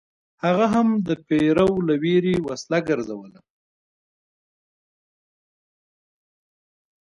هغه هم د پیرو له ویرې وسله ګرځوله.